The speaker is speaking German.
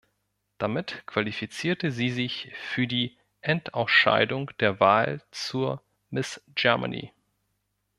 Damit qualifizierte sie sich für die Endausscheidung der Wahl zur „Miss Germany“.